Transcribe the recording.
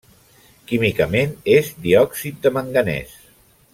Químicament és diòxid de manganès.